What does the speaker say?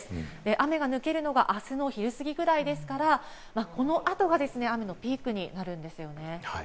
雨が抜けるのがあすの昼すぎぐらいですから、この後は雨のピークになるんですよね？